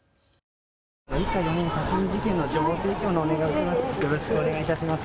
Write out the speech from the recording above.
一家４人殺人事件の情報提供のお願いをしてます。